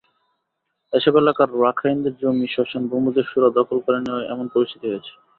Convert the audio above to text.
এসব এলাকার রাখাইনদের জমি, শ্মশান ভূমিদস্যুরা দখল করে নেওয়ায় এমন পরিস্থিতি হয়েছে।